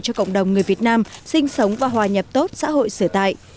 cho cộng đồng người việt nam sinh sống và hòa nhập tốt xã hội sở tại